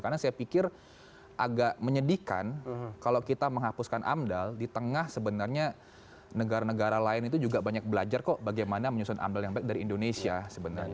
karena saya pikir agak menyedihkan kalau kita menghapuskan amdal di tengah sebenarnya negara negara lain itu juga banyak belajar kok bagaimana menyusun amdal yang baik dari indonesia sebenarnya